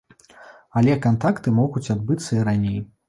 Але кантакты могуць адбыцца і раней.